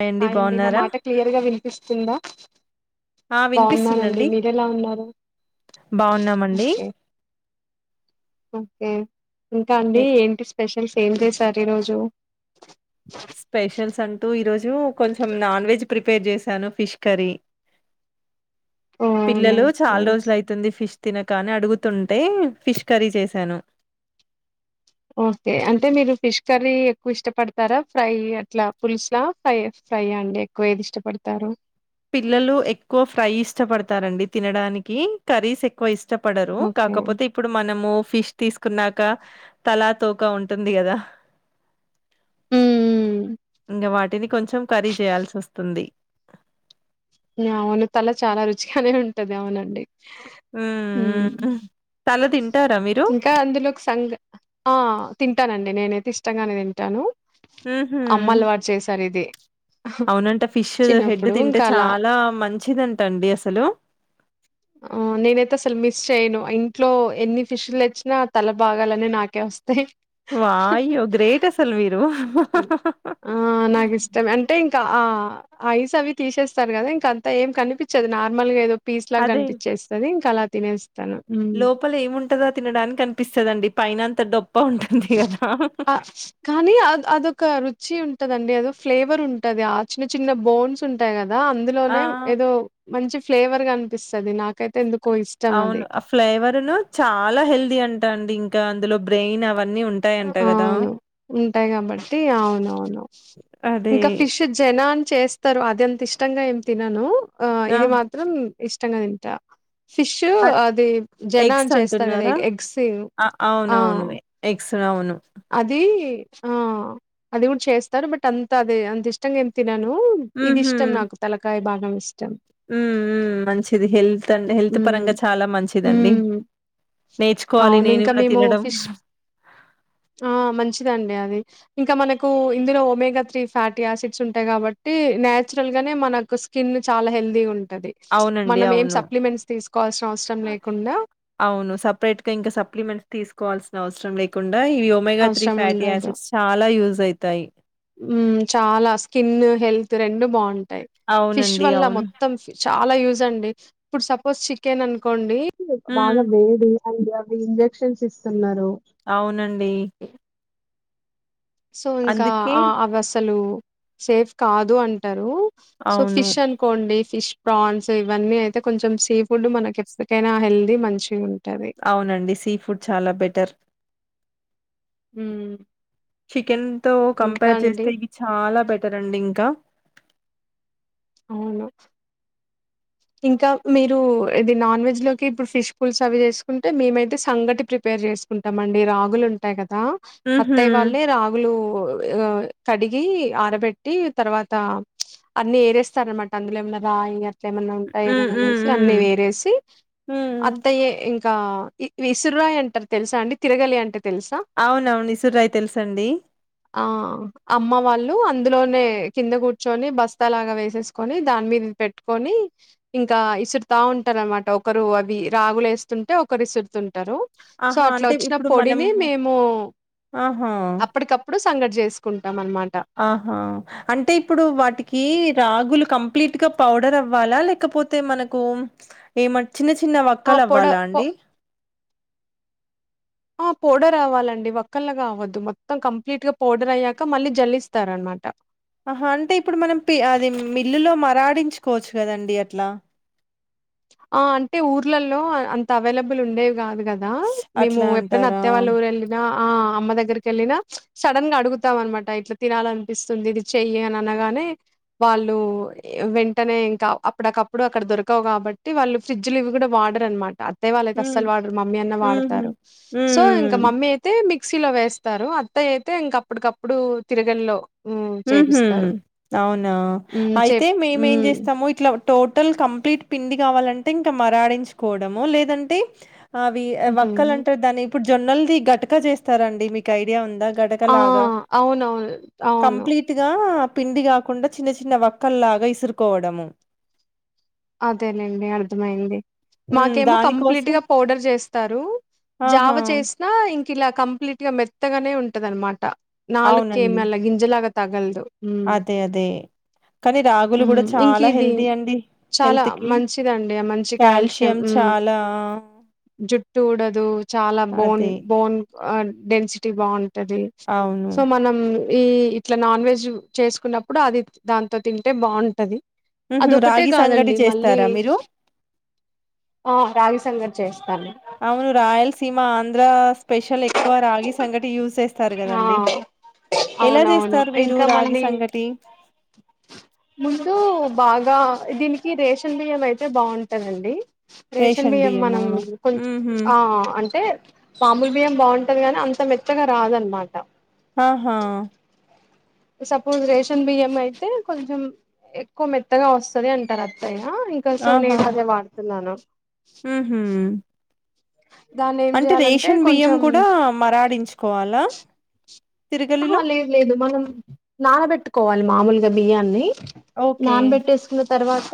Hi అండి హాండి నా బాగున్నారా మాట క్లియర్గా వినిపిస్తుందా ఆ బాగున్నానండి వినిపిస్తుందండి మీరు ఎలా ఉన్నారు బాగున్నామండి ఓకే ఓకే ఇంకా అండి ఏ- ఏంటిస్ స్పెషల్స్ ఎం చేసారు ఈ రోజు స్పెషల్స్ అంటూ ఈరోజు కొంచెం నాన్ వెజ్ ప్రిపేర్ చేశాను ఫిష్ కర్రీ ఓ పిల్లలు నైస్ చాలా నైస్ రోజులు అవుతుంది ఫిష్ తినకని అడుగుతుంటే ఫిష్ కర్రీ చేశాను ఓకే అంటే మీరు ఫిష్ కర్రీ ఎక్కువ ఇష్టపడతారా ఫ్రై అట్లా పులుసు ఫ్రై ఫ్రై అండి ఎక్కువ ఏది ఇష్టపడతారు పిల్లలు ఎక్కువ ఫ్రై ఇస్ ఇష్టపడతారండి తినడానికి కర్రీస్ ఎక్కువ ఇష్ట ఇష్టపడరు ఓకే కాకపోతే ఇప్పుడు మనము ఫిష్ తీసుకున్నాక తలా తోకా ఉంటుంది కదా మ్మ్ ఇంకా వాటిని కొంచెం కర్రీ చేయాల్సి వస్తుంది అవును తల చాలా రుచిగానే ఉంటది అవునండి హుమ్ మ్మ్. తల తింటారా మీరు ఆ తింటానండి నేనైతే ఇష్టంగానే తింటాను అమ్మ మ్హూ. అల్వట్ చేసారు ఇది అవునంట ఫిష్ హెడ్ చిన్నప్పుడు తింటే ఇంకా అలా చాలా మంచిదంట అండి అసలు చెయిను ఐన్ ఇంట్లో ఎన్ని ఫిషులు తేచ్చినా తల బాగాలు అన్ని నాకే వస్తాయి వా అయ్యో గ్రేట్ అసలు మీరు ఆ నాకు ఇష్టం అంటే ఇంకా ఆ ఐస్ అవి తీసేస్తారు కదా ఇంక అంత ఏం కనిపించది నార్మల్ గా ఏదో పీస్ లాగా అదే కనిపించేస్తుంది తలా తినెస్ లోపల ఏముంటదో తినడానికి అనిపిస్తదండి పైనం డబ్ ఆ కానీ అ అదొక రుచి ఉంటది ఆండి అదో ఫ్లేవర్ ఉంటది ఆ చిన్న చిన్న బోన్స్ ఉంటాయి కదా కదా ఆ! అందులోనే ఏదో మంచి ఫ్లేవర్ కనిపిస్తది నాకు అవును ఆ ఫ్లేవరులో చాలా హెల్దీ అంటాండి ఇంకా అందులో బ్రెయిన్ అవ అవును ఉంటాయి కాబట్టి అవునవును అదే. ఇంకా ఫిష్ జనాని చేస్తే స్తారు అది అంత ఇష్టంగా ఏం తినను ఆ ఇది మాత్రం ఇష్టంగా తింటా ఫిష్ అట్ అది జనా ఎగ్స్ అని చేస్తారు కదా అంటున్నారా? ఎగ్స్ అ ఆ అవునవును. ఎగ్స్ అవును. అది ఆ అది కూడా చేస్తారు బట్ అంత అది అంత ఇష్టంగా ఏం తిన నను నాకు ఇది ఇష్టం నాకు తలకాయ బాగా నమస్తే ఉ ఉ మంచిది హెల్త్ అండి హెల్త్ ఉమ్ పరంగా చాలా మంచిదండి ఉమ్ నేర్చుకోవాలి అవును నేను ఇంకా కూడా మేము తినడం ఫిష్ ఆ మంచిదండి అది ఇంకా మనకు ఇందులో ఒమేగా త్రీ ఫ్యాటీ యాసిడ్స్ ఉంటాయి కాబట్టి నాచురల్ గానే మనకు స్కిన్ చాలా హెల్దీగా ఉంటుం అవునండి అవును తీసుకోవాల్సిన అవసరం లేకుండా అవును సపరేటుగా ఇంకా సప్లిమెంట్ తీ కోవాల్సిన అవసరం లేకుం డా ఇ ఒమెగా త్రీ అవసరం ఫ్యాటీ ఆసిడ్స్ చాలా యూజ్ సైతాయి ఉం చాలా స్కిన్ హెల్త్ రెండు బాగుంటా టై ఫిష్ అవునండి వల్ల అవును మొత్తం ఫి చాలా యూజ్ అండి ఇప్పుడు సపోజ్ చికెన్ అనుకోండి భాగ హ్మ్ వేడి అండ్ అవి ఇంజెక్షన్స్ ఇస్తున్నారు అవునండి సో ఇంకా అందుకే ఆ అవసలు సేఫ్ కాదు అంటా రు సో అవును ఫిష్ అన్కోండి ఫిష్ ప్రాన్స్ ఇవన్నీ అయితే కొంచెం సీ ఫుడ్ మనకి ఎప్పటికైనా హెల్దీ మంచిగు అవునండి సీ ఫుడ్ చాలా బెటర్ ఉమ్ చికెన్ తో కంపార్ చేస్తే ఇది చాలా బెటర్ అండి ఇంకా అవును ఇంకా మీరు ఇది నాన్ వెజ్ లోకి ఇప్పుడు ఫిష్ పులిసు అవి చేసుకుంటే మేమైతే సంగటి ప్రిపేర్ చేసుకుంటాం. అండి రాగులు ఉంటాయి క దా ఉహూ అత్తయ్య వాళ్ళే రాగులు కడిగి ఆరబెట్టి తర్వాత అన్ని ఏరేస్తారన్నమాట అందులో ఏమన్నా రాయి అట్లే ఏమన్నా హ్మ్ ఏమన్న హ్మ్ వేసి అన్ని హ్మ్ వేరేసి హ్మ్ అత్తయ్య ఇం కా ఇ విసుర్రాయి అంటారు తెలుసా అండి తిరగలి అంటే తెలుసా అవునవును విసుర్రాయి తెలుసండి ఆ అమ్మ వాళ్ళు అందులోనే కింద కూర్చొని బస్తాలాగా వేసేసుకొని దాని మీద పెట్టుకొని ఇంకా ఇసురుతా ఉంటారు అన్నమాట ఒకరు అవి రాగులే వేస్తుంటే ఒకరు ఇసురుతు టారు సో ఆహా అట్లా అంటే వచ్చిన ఇప్పుడు మనం పొడిని మేము ఆహా అప్పటికప్పుడు సంగటి చేసుకు ఆహా అంటే ఇప్పుడు వాటికి రాగులు కంప్లీట్ గా పౌడర్ అవ్వాలా లేకపోతే మనకు ఏమం చిన్న చిన్న ఆ వక్కలు పొడ అవ్వాలా పొ అండి ఆ పౌడర్ అవాలండి వక్కల్ల కావద్దు మొత్తం కంప్లీట్ గా పౌడర్ అయ్యాక మళ్ళీ జల్లిస్తారు అనమాట ఆహా అంటే ఇప్పుడు మనం పి అది మిల్లులో మరాడించుకోవచ్చు కదండి అట్లా ఆ అంటే ఊర్లలో అంత అవేలబుల్ ఉండేవి కాదు కదా మేము అట్లా ఎప్పుడైనా అంటారా? అత్తయ్య వాళ్ళ ఊరు వెళ్ళినా ఆ అమ్మ దగ్గ దగ్గరికి వెళ్ళినా సడన్ గా అడుగుతాం అన్నమాట ఇట్లా తినాలనిపిస్తుంది. ఇది చెయ్యి అని అనగానే వాళ్ళు వెంటనే ఇంకా అప్పుడకప్పుడు అక్కడ దొరకవు కాబట్టి. వాళ్ళు ఫ్రిడ్జులు ఇవి కూడా వాడరు అన్నమాట. అరె వాళ్ళ అయితే హ్మ్. అస్సలు వాడరు. మమ్మీ అన్న హుహు. వాడతారు. సో ఇంకా హ్మ్. మమ్మీ అయితే మీకు మిక్సీ లో వేస్తారు అత్తయ్య అయితే ఇంక అప్పుటికప్పుడు తిరగలిలో ఉహు అవునా హ్మ్. అయితే చెప్ మేమేం హ్మ్. చేస్తాము ఇట్లా. టోటల్ కంప్లీట్ పిండి కావాలంటే ఇంకా మరాడించుకోవడము లేదంటే. అవి హుహు. వక్కలు అంటారు. దాని ఇప్పుడు జొన్నల్ది గట్క చేస్తారండి. మీకు ఐడియా ఉందా. గటకలాగా. ఆహ్ అవునవును ఆహ్. కంప్లీట్ గా. పిండి కాకుండా చిన్న చిన్న వక్కల్లాగా ఇసురుకోవడము. హ్మ్. మాకేమో కంప్లీట్ దానికోసం గా పౌడర్ చేస్తారు. జావ ఆహా! చేసిన ఇంక ఇలా కంప్లీట్ గా మెత్తగానే ఉంటది అన్నమాట. అవునండి. నాలుకేమల్ల గింజలాగా. తగలదు. హ్మ్. అదే అదే కానీ రాగులు కూడా హ్మ్. ఇంక చాలా ఇది హెల్దీ అండి. చాలా హెల్త్‌కి మంచిదండి మంచి కాల్షియం ఉమ్ చాలా ఆ! జుట్టు ఉడదు చాలా బోన్ అదే. బోన్. ఆహ్ డెన్సిటీ బావుం. తది అవును. సో మనం. ఈ ఇట్లా నాన్ వెజ్ చేసుకున్నప్పుడు అది దాంతో తింటే బాగుంటది. ఉహు రాగి. సంగటి కాదండి మళ్ళి చేస్తారా మీరు? ఆహ్ రాగిసంగట్. [unintelligible] చేయ్. అవును రాయలసీమ. ఆంధ్ర స్పెషల్ ఎక్కువ రాగి సంగటి యూజ్ చేస్త. ఆ ఎలా అవునవును చేస్తారు మీరు ఇంకా రాగి మళ్ళీ సంగటి. ముందు బాగా దీనికి రేషన్ బియ్యం అయితే బాగుంటదండి. రేషన్ బియ్యం మనం కొంచం హుహు. ఆహ్ అంటే. మాముూలు బియ్యం బాగుంటది గానీ అంత మెత్తగా రాదనమాట. ఆహా. సపోజ్ రేషన్ బియ్యం అయితే కొంచెం ఎక్కువ మెత్తగా వస్తది అంటారు అత్తయ్య. ఇంకా సో నేను అదే వాడుత. తున్నాను. ఉమ్ హు దాన్ని ఏం అంటే చేయాలంటే రేషన్ బియ్యం కొంచెం కూడా మరాడించుకోవాలా ఆ తిరగలిలో? లేదు లేదు మనం నానబెట్టు కోవాలి మామూలుగా బియ్యాన్ని ఓకే. నాన్ బెట్ట వేసుకున్న తర్వాత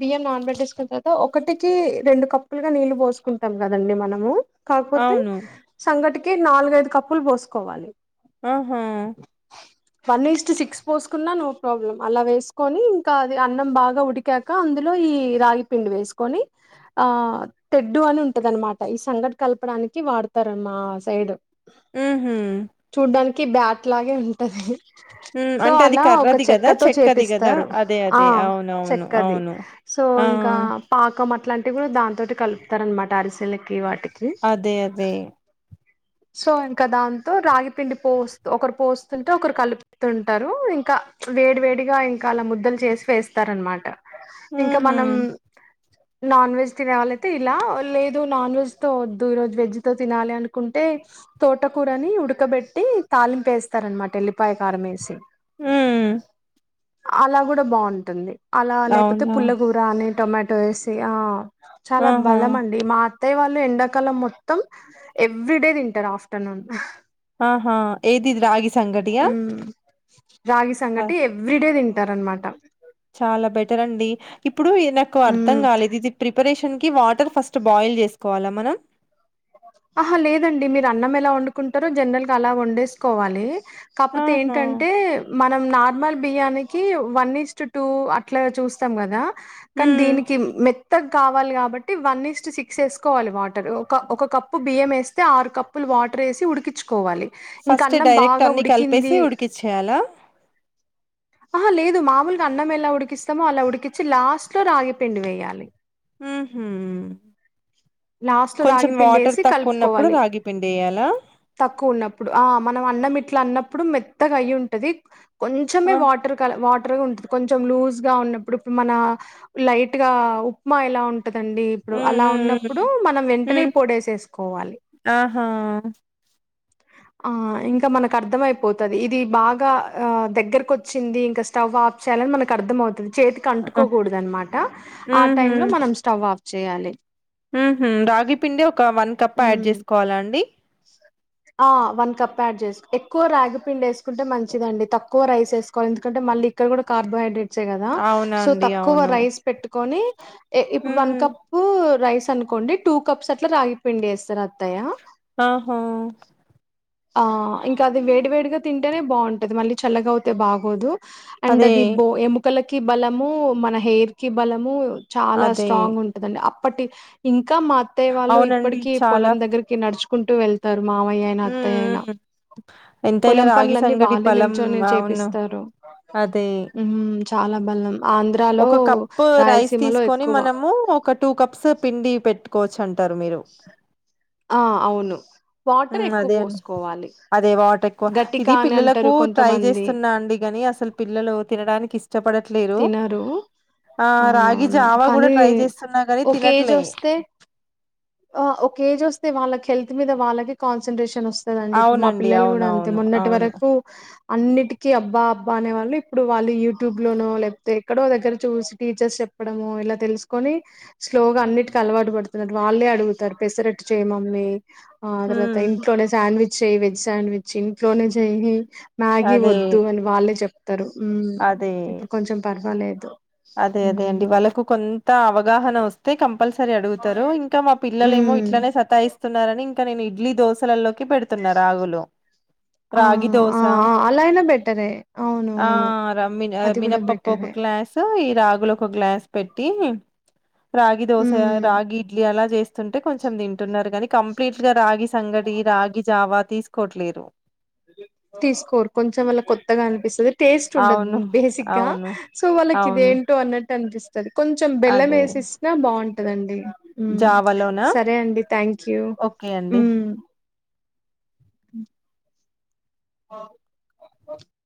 బియ్యం నాన్ బెట్ ఎసుకున్న తర్వాత ఒకటికి రెండు కప్పులుగా నీళ్లు పోసుకుంటాం కదండి మనము కాకపోతే అవును. సంగటి తెనాలుగైదు కప్పులు పోసుకోవాలి ఆహా వన్ ఈస్ట్ సిక్స్ పోసుకున్నా నో ప్రాబ్లం అలా వేసుకొని ఇంకా అది అన్నం బాగా ఉడికాక అందులో ఈ రాగి పిండి వేసుకొని ఆ తెడ్డు అని ఉంటది అనమాట ఈ సంగటి కలపడానికి వాడతారు మా సైడ్ ఉహుమ్ చూడ్డానికి బ్యాట్ లాగే ఉంటది హ్మ్. సో అంటే అది అలా ఒక కర్రది గదా! చెక్కతో చెక్కది గదా! చేపిస్తారు అదే. ఆ అదే. అవునవును. చెక్కది అవును. సో ఆ! ఇంకా పాకం అట్లాంటి ఇవి కూడా దాంతోటి కలుపుతారు అనమాట అరిసెలకి వాటికి అదే అదే సో ఇంకా దాంతో రాగి పిండి పోస్త ఒకరు పోస్తుంటే ఒకరు కలుపుతుంటారు ఇంకా వేడి వేడిగా ఇంకా అలా ముద్దలు చేసి వేస్తారు అనమాట ఇంకా హుహు. మనం నాన్ వెజ్ తినాలయితే ఇలా లేదు నాన్ వెజ్ తో వద్దు ఈరోజు వెజ్ తో తినాలి అనుకుంటే తోటకూరని ఉడకబెట్ తాలింపు వేస్తార అనమాట ఎల్లిపాయ కారం వేసి హ అలా కూడా బాగుంటుంది అలా లేకపోతే అవునా! పుల్ల కూర అని టొమాటో [unintelligible] చాలా ఆహా! బలం అండి మా అత్తయ్య వాళ్ లో ఎండాకాలం మొత్తం ఎవ్రీడే తింటారు ఆఫ్టర్నూన్ ఆహా ఏది ఇది రాగి సంగటి యా రాగి సంగటి ఎవ్రీడే తిన్ టారన్మాట చాలా బెటర్ అండి ఇప్ ప్పుడు ఇది నాకు అర్థం మ్మ్ కాలేదు ఇది ప్రిపరేష్ టం కి వాటర్ ఫస్ట్ బాయిల్ చేసుకోవాలా మనం ఆహా లేదండి మీరు అన్నం ఎలా వండుకుంటారో జనరల్ గా అలా వండేసుకోవాలి కాపోతే ఆహా! ఏంటంటే మనం నార్మల్ బియ్యనికి వన్ ఈస్ట్ టూ అట్లా చూస్తాం కదా క హ్మ్. దనికి మె త్త కావాలి కాబట్టి వన్ ఇస్ట్ సిక్స్ వేసుకోవాలి వాటర్ ఒక ఒక కప్పు బియ్యం వేస్తే ఆరు కప్పులు వాటర్ వేసి ఉడికించుకోవాలి ఇంక ఫస్ట్ అన్నం డైరెక్ట్ బాగా అన్నిీ కలిపేసి ఉడికింది ఉడికిచ్చేయాలా ఆహా లేదు మామూలుగా అన్నం ఎలా ఉడికిస్తామో అలా ఉడికించిి లాస్ట్ లో రాగి పిండి వేయాలి హ హ లాస్ట్ లో రాగి పిండి వేసి ఉన్నప్పుడు కలుపుకోవాలి రాగి పిండి ఎయ్యాలా తక్కువ ఉన్నప్పుడు ఆ మనం అన్నమిట్ల అన్న అప్పుడు మెత్తగా అయి ఉంటది కొంచమే ఆ వాటర్ కల వాట గా ఉంటంది కొంచం లూజ్ గా ఉన్నప్పుడు ఇప్పుడు మన లైట్ గా ఉప్మా ఎలా ఉంట ఉంటదండి ఇప్పుడు అలా ఉన్న ఉమ్ ఇప్పుడు మనం వెంటనే పొడేసేసుకోవాలి ఆహా ఆ ఇంకా మనకు అర్థం అయిపోతుది ఇది బాగా ఆ దగ్గరకు వచ్చింది ఇంకా స్టవ్ ఆఫ్ చేయాలని మనకు అర్థంమవుతుది చేతికి అంటుకోకూడదు అనమాట ఆ టై ఉహు లో మనం స్టవ్ ఆఫ చేయాలి రాగి పిండి ఒక వన్ కప్ యాడ్ ఉమ్ చేసుకోవాలా అండి ఆ వన్ కప్ యాడ్ చేసు ఎక్కువ రాగిపిిండి వేసుకుంటే మంచిదండి తక్కువ రైస్ వేసుకోవాలి ఎందుకంటే మళ్ళీ ఇక్కడ కూడా కార్బోహైడ్రేట్ అవునా అండి క అవును రై పెట్ ఇ ఉహు క అనుకోండి టూ కప్స్ అట్లా రాగి పిండి వేస్తారు అత్తయ్య ఆహా ఆ ఇంకా అది వేడి వేడిగా తింటేనే బాగుంటది మళ్ళీ చల్లగా అవుతే బాగోదు అండ్ అదే అదిబ ఏముకల్ కి బలము మన హెయిర్ కి బలము చాలా అదే స్ట్రాంగ్ ఉంటుందండి ప్పట్టి ఇంకా ఇంకా మా అత్తయ్యళ్ళు అవునండి ఇప్పటికీ చాలా పొలం దగ్గరికి నడుచు కుంటూ వెళ్తారు మామయ్య అయి అత్తయయినా ఉమ్ ఎంతైనా పొలం రాగి పనులన్న సంగటి వాళ్ళే బలం నిల్చొని అవును చేపిస్తారు అదే చాలా బలం ఆంధ్రాలో ఒక కప్పు రైస్ రాయలసీమలో తీసుకొని ఎక్కువ మనము ఒక టూ కప్స్ పిండి పెట్టు కోచండి ఆ అవును వాటర్ హ్మ్ ఎక్కువ అదే అండి పోసుకోవాలి అదే వాటర్ గట్టికా ఇది అని పిల్లలకు అంటారు ట్రై కొంతమంది చేస్తున్నా అండి కాని అసలు పిల్లలు తినడా నికిస్ చెప్పడట్లేరు తినరు ఆ రాగి అవునవును జావా కూడా కానీ ట్రై చేస్తున్నా కానీ ఒక ఏజ్ తినట్లే వస్తే ఒక ఏజ్ వస్తే వాళ్ళకి హెల్త్ మీద వాళ్ళకి కాన్సన్ట్రేషన్ వస్త వస్తదండి ఇప్పుడు మా అవునండి పిల్లలు కూడా అంతే అవునవును మొన్నటి అవును వరకు అన్నిటికిీ అబ్బా అబ్బా అనే వాళ్ళు ఇప్పుడు వాళ్ళు యూట్యూబ్ లోనో లేకపోతే ఎక్కడో దగ్గర చూసి టీచర్స్ చెప్పడము ఇలా తెలుసుకొని స్లోగా అన్నిటికి అలవాటు పడుతున్నారు వాళ్ళే అడుగుతారు పెసరట్టు చేయి మమ్మీ ఆ తర్వాత హ్మ్ ఇంట్లోనే సాండ్విచ్ చెయి వెజ్ సాాండ్విచ్ ఇంట్లోనే చేయి మ్యాగీ అదే వద్దు అని వాళ్ళే చెప్తారు తారు అదే ఇప్పుడు కొంచెం ప లేదు అదే అదే అండి వాళ్ళకు కొంత అవగాహన వస్ తే కంపల్సరీ అడుగుతారు ఇంకా మా పిల్లలు ఏమో ఉమ్ ఇట్లనే సతాయిస్తున్నారనిం ఇక నేను ఇడ్లీ దోసలల్లో కి పెడుతున్న రాగులు రాగి దోశ అదే ఆ మిన మినపప్పు ఒక బెటరే గ్లాసు ఈ రాగులు ఒక గ్లాస్ పెట్ [unintelligible] రాగి దోశ మ్మ్ రాగి ఇడ్లీ అలా చే ంటే కొంచెం తింటున్నారు కానీ కంప్లీట్ గా రాగి సంగటి రాగిజావా తీసుకోవట్లేరు తీసుకోరు కొంచెం అళ్లా కొత్తగా అనిపిస్తది టేస్ట్ అవును ఉండదు బేసిక్ గా అవును సో వాళ్ళకి అవును ఇదేంటో అన్నట్టు త [unintelligible] కొంచెం బెల్లం అదే వేసిచ్చిన బాగుంటుంది దండి జావాలోనా సరే అండి థ్యాంక్ యూ ఓకే ఊ అండి అ [unintelligible]